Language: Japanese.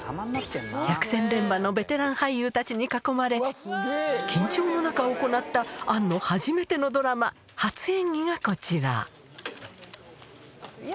百戦錬磨のベテラン俳優たちに囲まれ、緊張の中、行った杏の初めてのドラマ、初演技がこちら。